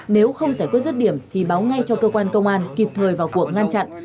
nếu không giải quyết rứt điểm thì báo ngay cho cơ quan công an kịp thời vào cuộc ngăn chặn